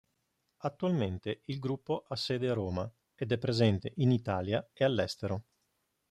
Attualmente il gruppo ha sede a Roma ed è presente in Italia e all'estero.